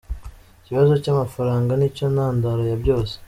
Ikibazo cy’amafaranga nicyo ntandaro ya byose.